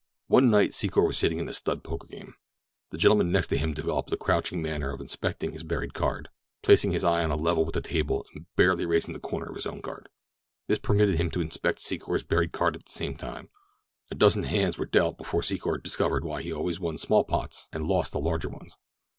One night Secor was sitting in a stud poker game. The gentleman next to him developed a crouching manner of inspecting his buried card, placing his eye on a level with the table and barely raising the corner of his own card. This permitted him to inspect Secor's buried card at the same time. A dozen hands were dealt before Secor discovered why he always won small pots and lost the large ones.